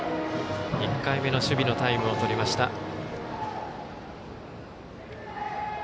１回目の守備のタイムをとりました。